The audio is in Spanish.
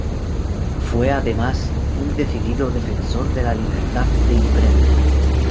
Fue, además, un decidido defensor de la libertad de imprenta.